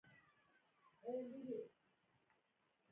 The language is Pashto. د پیرودونکو خدمتونه د بانک او پیرودونکي ترمنځ پل دی۔